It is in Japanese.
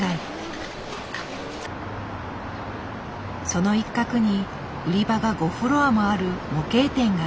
その一角に売り場が５フロアもある模型店がある。